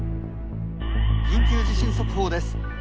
「緊急地震速報です」。